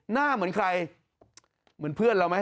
หน้าเหมือนใครเหมือนเพื่อนเราไหม